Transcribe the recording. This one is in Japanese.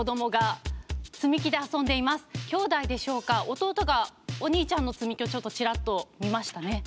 弟がお兄ちゃんの積み木をちょっとちらっと見ましたね。